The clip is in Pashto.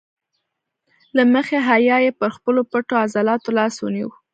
له مخې حیا یې پر خپلو پټو عضلاتو لاس ونیو.